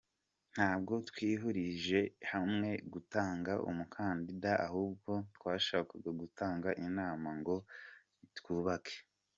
Ntabwo twihurije hamwe gutanga umukandida ahubwo twashakaga gutanga inama ngo twubake.